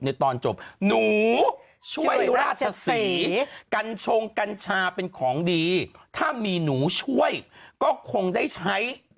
ตอนจบหนูช่วยราชศรีกัญชงกัญชาเป็นของดีถ้ามีหนูช่วยก็คงได้ใช้